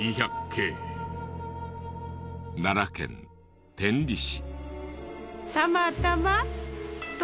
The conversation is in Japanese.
奈良県天理市。